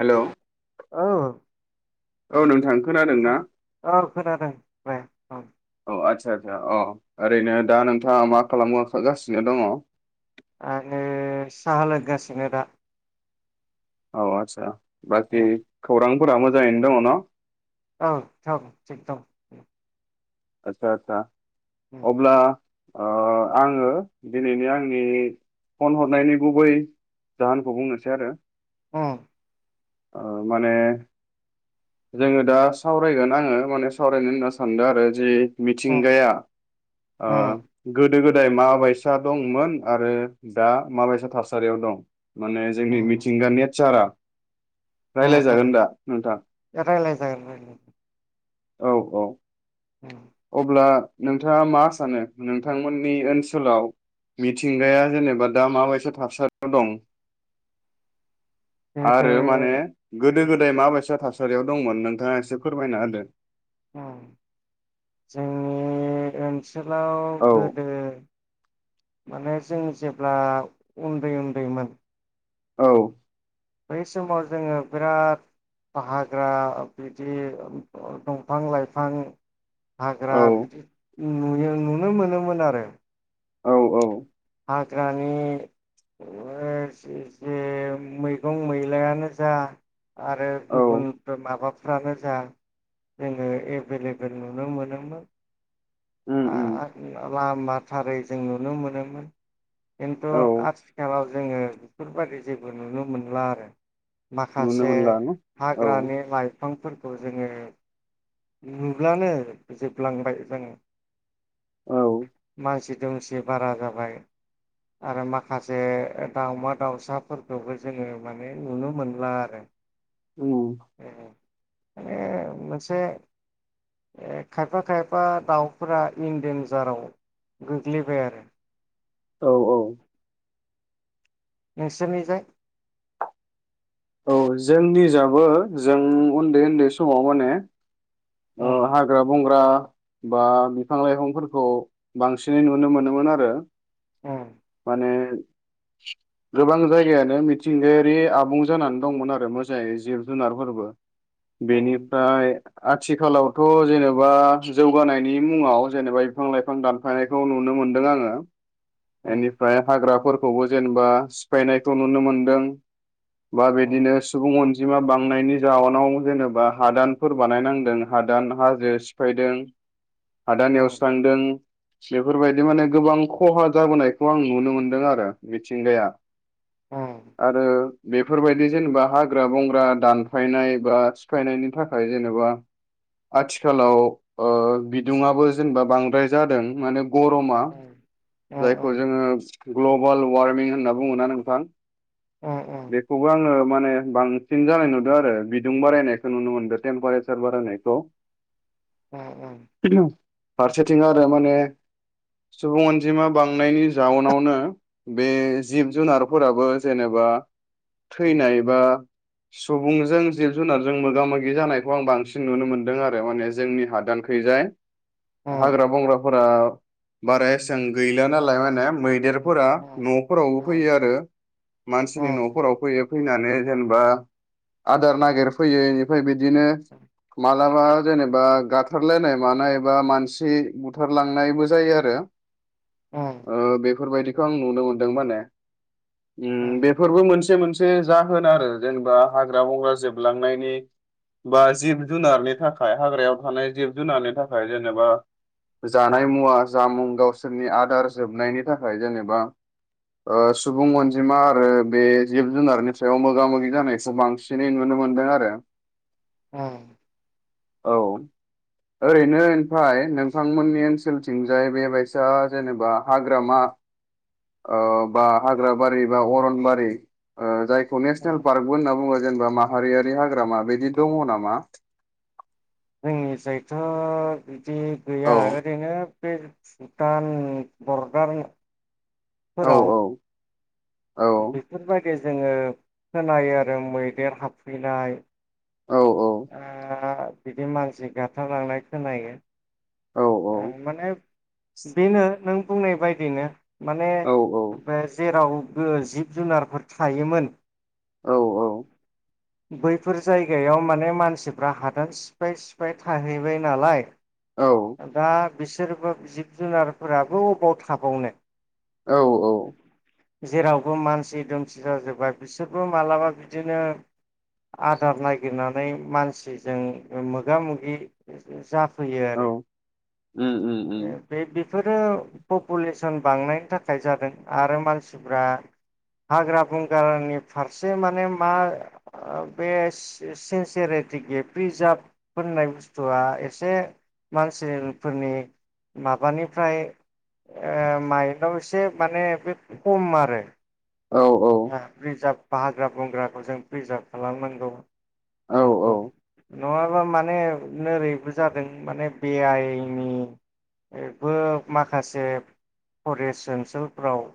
Hello औ औ नों ओमफ्राय औ खोनादों दे औ आ अ ओरैनो दा नोंथाङा मा खालामागासिनो दङ? आंओ साहा लगासिनो दा। औ आदसा औ बाखि खौरां? फोर मोजाङैनो दङ ना? औ थ थिग दं। आतसा आतसा उम अब्ला ओ आङो दिनैनि आंनि फन हरनायनि गुबै जाहोनखौ बुंनोसै आरो अ ओ माने जोङो दा सावरायगोन आङो माने सावरायनो होनना सानदों आरो जि उम मिथिंगाया ओ उम गोदो गोदाय दांत माबायसा दंमोन आरो दा माबायसा थासारियाव दं? माने जोंनि उम मिथिंगा नेचारा उम रायलाय जागोन उम दा नोंथां? रायलाय जागोन रायलाय औ औ [inaudible] अब्ला नोंथाङा मा सानो? नोंथांमोननि ओनसोलाव मिथिंगाया जेनेबा दा माबायसा थासारियाव दं? गोदो आरो माने गो गोदो गोदाय माबायसा थासारियाव दंमोन नोंथाङा एसे फोरमायना होदो। अ जोंनि ओनसो सोलाव औ गोदो माने जों जेब्ला उन्दै उन्दैमोन औ बै समाव जोङो बिराद बा हाग्रा बिदि दंफां लाइफां औ हाग्रा नुयो नुनो मोनोमोन आरो औ औ हाग्रानि ओ जे मैगं मैलायानो जा आरो औ गुबुन माबाफ्रानो जा जोङो एभेलेबेल नुनो मोनोमोन। उम आ उम लामाथारै जों नुनो मोनोमोन खिन्थु औ आथिखालाव जोङो बेफोरबायदि जेबो नुनो मोनला आरो नुनो माखासे मोनला न औ हाग्रानि लाइफ बिफांफोरखौ जोङो नुब्लानो जोबलांबाय जों औ मानसि दोंसे बारा जाबाय आरो माखासे दावमा दाउसाफोरखौबो जोङो माने नुनो मोनला आरो उम उम माने मोनसे खायफा खायफा दाउफोरा इन डेनजाराव गोग्लैबाय आरो औ औ नोंसोरनि जाय औ जोंनि जाबो जों उन्दै उन्दै समाव माने ओ उम हाग्रा बंग्रा बा बिफां लाइफांफोरखौ बांसिनै नुनो मोनोमोन आरो। अ माने गोबां जायगायानो मिथिंगायारि आबुं जानानै दंमोन आरो मोजाङै जिब जुनारफोरबो उम बेनिफ्राय आथिखालावथ' जेनेबा जौगानायनि मुङाव जेनेबा बिफां लाइफां दानफानायखौ नुनो मोनदों आङो उम एनिफ्राय हाग्राफोर खौबो जेनेबा सिफायनायखौ नुनो मोनदों बा बिदिनो सुबुं अन जिमा बांनायनि जाउनाव जेनेबा हादानफोर बानायनांदों हादान हाजो सिफायदों। हादान उम एवस्रांदों बेफोरबायदि माने गोबां खहा जाबोनाय खौ आं नुनो मोनदों आरो मिथिंगाया। उम आरो बेफोरबायदि जेनेबा हाग्रा बंग्रा दानफायनाय बा सिफायनायनि थाखाय जेनेबा आथिखालाव अ बिदुुंआबो जेनेबा बांद्राय जादों माने गरमा उम उम जाय खौ जोङो ग्लबाल वार्मिं होनना बुङोना नोंथां? उम उम बेखौबो आङो माने बांसिन जानाय नुदों आरो बिदुं बारायनायखौ नुनो मोनदों टेम्पारेसार बारायनायखौ उम उम फारसेथिं आरो माने सुबुं अनजिमा बां थांनायनि जाउनावनो बे जिब जुनारफोराबो जेनेबा उम थैनाय बा सुबुंजों जिब जुनारजों मोगा मोगि जानायखौ आं बांसिन नुनो मोनदों आरो माने जों उम हाग्रा बंग्रा फोर बा बाराएसां गै दानालाना मैदेर फोरा नफोरावबो फैयो आरो मानसिनि नफोराव फैयो फैनानै जेनेबा आदार नागिर फैयो बेनिफ्राय बि दिनो माल माब्लाबा जेनेबा गाथारलायनाय मानाय बा मानसि बुथारलांनायबो जायो आरो ओ बेफोरबायदि खौ आं नुनो मोनदों माने ओम उम बेफोरबो मोनसे मोनसे से जाहोन आरो जेनेबा हाग्रा बंग्रा जोबलांनायनि बा जिब जुनारनि थाखाय हाग्रायाव थानाय जिब जुनारनि थाखाय जेनेबा जानाय मुवा जामुं गावसोरनि आ दार जोबनायनि थाखाय जेनेबा ओ सुबुं अनजिमा आरो बे जिब जुनारनि सायाव मोगा मोगि जानायखौ बांसिनै नुनो मोनदों आरो उम औ ओरैनो ओमफ्राय नोंथांमोननि ओनसोलथिंजाय बेबायइसा जेनेबा हाग्रामा आ बा हाग्रा बारि बा अरनबारि जाय खौ उम नेसनेल पारकबो होनना बुङो जेनेबा माहारियारि हाग्रामा बिदि दङ नामा? जोंनि जायथ बिदि औ गैया ओरैनो बुटान बरदार औ औ औ बेफोर बायदि जोङो खोनायो आरो मैदेर हाबफैनाय। औ आ बिदि मानसि गाथारलांनाय खोनायो। औ माने बेनो नों बुंनाय बायदियैनो। माने औ जेराव। जिब जुनारफोर थायोमोन। औ औ बैफोर जायगायाव माने मानसिफ्रा हादान सिफाय सिफाय थाहैबाय नालाय। दा बिसोरबो जिब जुनारफोराबो अबाव थाबावनो? औ औ जेरावबो मानसि दुमसि जाजोबबाय बिसोरबो मालाबा बिदिनो आदार नागिरनानै मानसिजों मोगा मोगि जाफैयो। आरो औ उम उम। बे बेफोरो पपुलेसन बांनायनि थाखाय जादों आरो मानसिफ्रा हाग्रा बंग्रानि फारसे माने मा बे सिनसिरिटि गि-प्रिजार्भ होननाय बुस्थुआ एसे मानसिफोरनि माबानिफ्राय ओ माइन्डआव एसे माने बे खम आरो। औ रिजार्भ हाग्रा बंग्राखौ जों प्रिजार्भ खालामनांगौ। औ [unintelligible] नङाब्ला माने नोरैबो जादों माने बे आइनि माखासे फरेस्ट ओनसोलफ्राव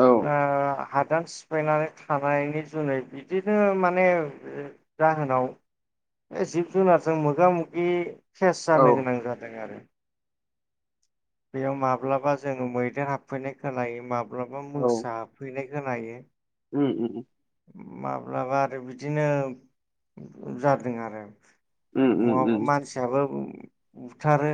औ हादान सिफायनानै थानायनि जुनै बिदिनो माने जाहोनाव जिब जुनारजों मोगि मोगि केेस जानो औ गोनां जादों आरो। बेयाव माब्लाबा जोङो मैदेर हाबफैनाय खोनायो माब्ला माब्लाबा औ मोसा हाबफैनाय खोनायो। उम उम। माब्लाबा आरो बिदिनो जादों आरो। उम उम माबा उम मानसियाबो बुथारो।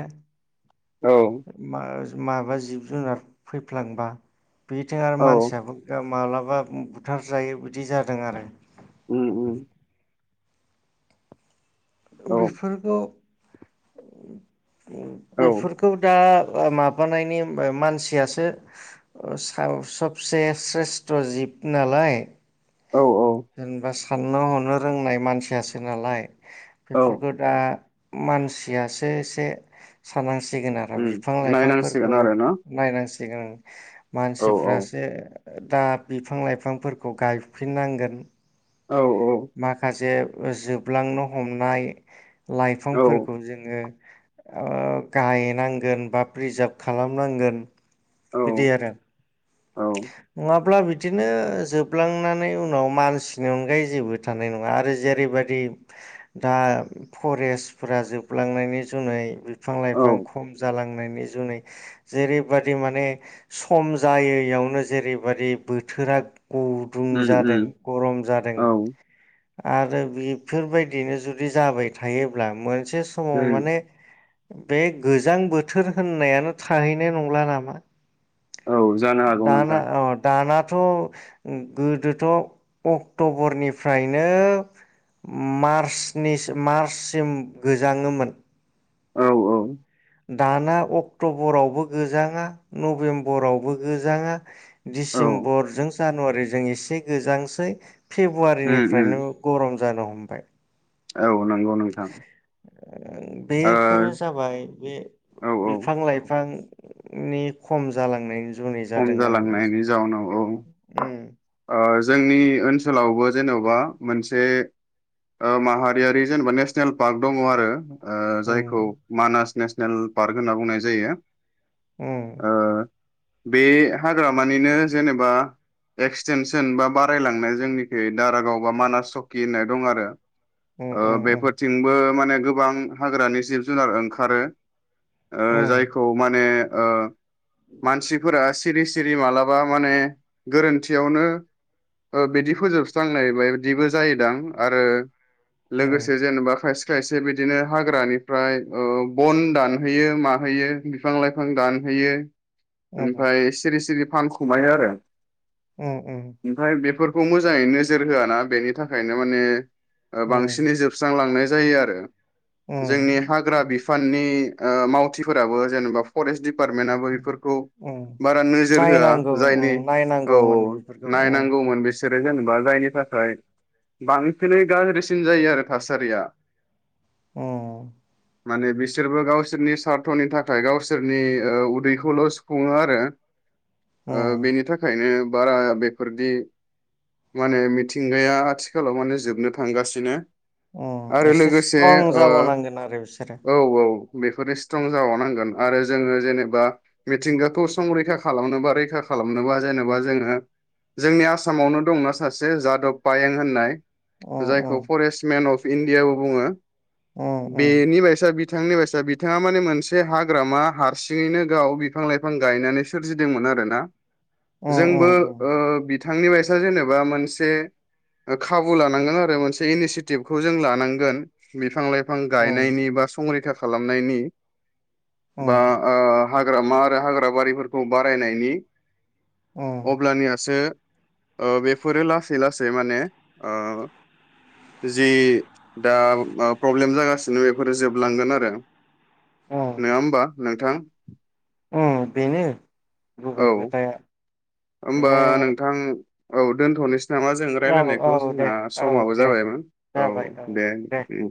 औ [unintelligible] माबा जिब जुनार फैफ्लांबा [unintelligible] औ मानसियाबो माब्ला माबा बुथार जायो बिदि जादों आरो। उम उम औ बेफोरखौ। [inaudible] बेफोरखौ दा माबानायनि मानसियासो सायाव सबसे स्रेस्थ' जिब नालाय। औ जेनबा सा साननो हनो रोंनाय मानसियासो नालाय औ बेफोरखौ दा मानसियासो एसे सान्नांसि सिगोन आरो उम बिफां नायनांसिगोन लाइफांफोरखौ आरो ना नायनांसि सिगोन। औ औ मानसिफ्रासो दा बिफां लाइफांफोरखौ गायफिननांगोन। औ औ माखासे जोबलांनो हमनाय औ लाइफांफोरखौ जोङो ओ गायनांगोन बा प्रिजार्भ खालामनांगोन। औ बिदि आरो। औ नङा ब्ला बिदिनो जोबलांनानै उनाव मानसिनि अनगायै जेबो थानाय नङा आरो जेरैबायदि दा फरेस्टफोरा जोबलांनायनि जुनै बिफां औ लाइफां खम जालांनाय नि जुनै जेरैबायदि माने सम जायै बेयावनो जेरैबायदि बोथोरा गुदुं उम जादों उम गरम जादों औ आरो बेफोरबायदिनो जुदि जाबाय थायोब्ला मो से समाव उम माने बे गोजां बोथोर होननायानो थाहैनाय नंला नामा? औ जानो हागौ दाना नोंथां अ' दाना थ' गोदोथ' अक्ट'बरनिफ्रायनो मार्चनि मार्चसिम गोजाङोमोन। औ औ। दाना अक्ट'बरावबो गोजाङा नभेम्बरावबो गोजाङा औ डिसेम्बरजों जानुवारि जों एसे गोजांसै। उम फेब्रुवारिनिफ्रायनो उम गरम जानो हमबाय। औ नंगौ नोंथां ओ ओ बेफोरो जाबाय बे औ औ बिफां लाइफां खम जालांनायनि जुनै खम जादों आरो मा जालांनायनि जाउनाव औ उम ओ जोंनि ओनसोलावबो जेन'बा मोनसे ओ माहारियारि जेनेबा नेसनेल पार्क दङ आरो। ओ उम जायखौ मानास नेस नेल पार्क होनना बुंनाय जायो। ओम ओ बे हाग्रामानिनो जेनेबा एक्सटेनसन बा बारायलांनाय जोंनिखै दारागाव बा मानास चकि होननाय दं आरो। उम ओ उम बेफोरथिंबो माने गोबां हाग्रानि जिब जुनार ओंखारो। ओ उम जायखौ माने ओ मानसिफोरा सिरि सिरि मालाबा माने गोरोन थियावनो ओ बिदि फोजोबस्रांनाय बायदिबो जायोदां आरो उम लोगोसे जेनेबा खायसे खायसे बिदिनो हाग्रानिफ्राय ओ बन दानहैयो माहोयो बिफां-लाइफां दानहैयो। उम ओमफ्राय सिरि सिरि फानखुमायो आरो। उम उम ओमफ्राय बेफोर खौ मोजाङै नोजोर होआ ना बेनि थाखायनो माने ओ उम बांसिनै जोबस्रांलांनाय जायो आरो। जोंनि उम हाग्रा बिफाननि ओ मावथिफोराबो जेनेबा फरेस्ट दि पारटमेन्टआबो बेफोरखौ उम बारा नोजोर होआ नायनांगौ जायनि उम औ औ नायनांगौमोन औ बेफोरखौ उम नायनांगौमोन बेस सोरो जेनेबा जायनि थाखाय बांसिनै गाज्रिसिन जायो आरो थासारिया। ओम माने बिसोरबो गावसोरनि सार्थनि थाखाय गावसोरनि ओ उदैखौल' सुफुङो आरो। ओ उम बेनि थाखायनो बारा बेफोरदि माने मिथिंगाया आथिखालाव माने जोबनो थांगासिनो। ओम आरो एसे लोगोसे स्ट्रं ओ जाबावनांगोन आरो बिसोरो। औ औ बेफोरो स्ट्रं जाबावनांगोन आरो जोङो जेनेबा मिथिंगाखौ संरैखा खालामनोबा रैखा खालामनोबा जेनेबा जोङो। जोंनि आसामावनो दंना सासे जादब पायें होननाय उम जायखौ उम फरेस्टमेन अफ इण्डियाबो बुङो। उम बेनि बाइसा बि बिथांनि बायसा बिथाङा माने मोनसे हाग्रामा हारसिङैनो गाव बिफां लाइफां गायनानै सोरजिदोंमोन आरो ना अ अ ओ बिथांनि बायसा जेनेबा मोनसे ओ खाबु लानांगोन आरो मोनसे इनिसिटिभखौ जों लानांगोनां बिफां लाइफां फां उम गायनायनि बा संरैखा खा खालामनायनि उम बा ओ हाग्रामा आरो हाग्राबारिफोरखौ बारायनायनि उम अब्लानिया जोङो ओ बेफोरो लासै लासै माने ओ जि दा मा प्रब्लेम जागासिनो बेफोरो जोबलांगोन आरो नोङा होमबा नोंथां अ बेनो औ गुबै खोथाया होमबा माने नोंथां औ दोन्थ'नोसै नामा जों औ रायजलायनायखौ औ दे जोंना औ समाबो दे जाबायमोन औ दे उम